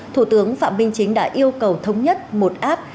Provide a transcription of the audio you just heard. thủ tướng phạm minh chính đã yêu cầu thống nhất một app